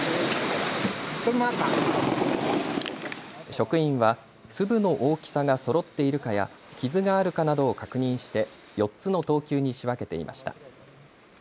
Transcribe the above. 職員は粒の大きさがそろっているかや傷があるかなどを確認して４つの等級に仕分けていました。